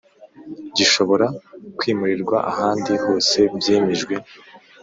Gishobora kwimurirwa ahandi hose byemejwe